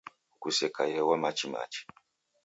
Ghusekaiye ghwa machi machi